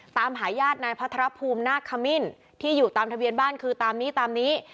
ตามหาญาตินายพัทรภูมินาคมิ้นที่อยู่ตามทะเบียนบ้านคือตามนี้ตามนี้